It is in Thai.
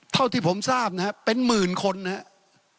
เท่าที่ผมทราบนะครับเป็นหมื่นคนนะครับ